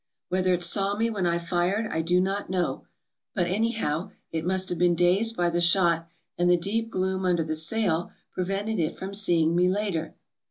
Whether it saw me when I fired I do not know; but, anyhow, it must have been dazed by the shot, and the deep gloom under the sail prevented it from seeing me later.